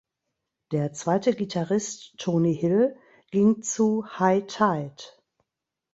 Der zweite Gitarrist Tony Hill ging zu High Tide.